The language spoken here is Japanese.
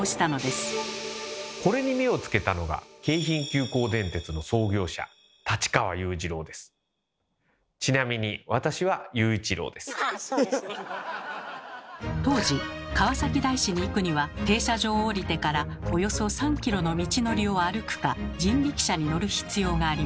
これに目をつけたのが当時川崎大師に行くには停車場を降りてからおよそ３ｋｍの道のりを歩くか人力車に乗る必要がありました。